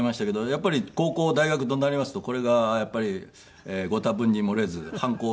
やっぱり高校大学となりますとこれがやっぱりご多分に漏れず反抗。